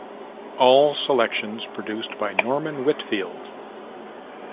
All selections produced by Norman Whitfield.